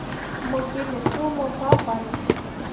Mo gi me kuumo fah fale.